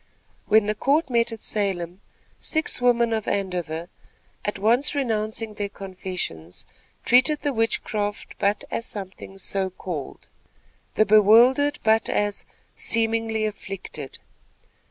When the court met at Salem, six women of Andover, at once renouncing their confessions, treated the witchcraft but as something "so called," the bewildered but as "seemingly afflicted."